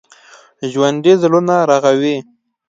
ژوندي زړونه رغوي